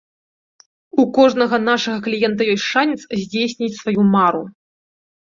У кожнага нашага кліента ёсць шанец здзейсніць сваю мару.